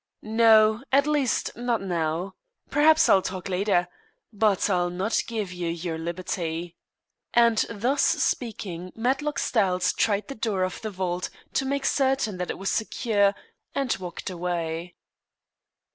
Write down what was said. "No at least, not now. Perhaps I'll talk later. But I'll not give you your liberty," and thus speaking Matlock Styles tried the door of the vault, to make certain that it was secure, and walked away.